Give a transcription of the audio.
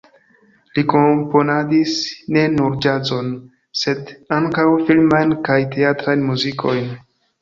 Li komponadis ne nur ĵazon, sed ankaŭ filmajn kaj teatrajn muzikojn.